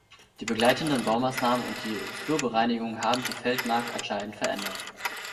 Die begleitenden Baumaßnahmen und die Flurbereinigung haben die Feldmark entscheidend verändert.